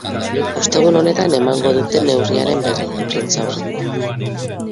Ostegun honetan emango dute neurriaren berri, prentsaurrekoan.